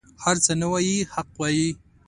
هر څه نه وايي حق وايي.